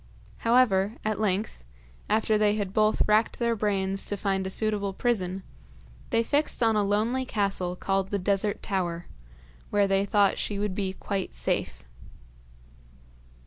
However, at length, after they had both racked their brains to find a suitable prison, they fixed on a lonely castle called the Desert Tower, where they thought she would be quite safe.